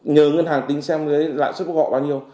nhờ ngân hàng tính xem lãi suất bốc họ bao nhiêu